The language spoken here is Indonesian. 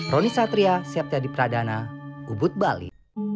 roni satria siap jadi pradana ubud bali